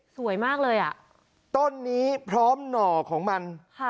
สวยมากเลยอ่ะต้นนี้พร้อมหน่อของมันค่ะ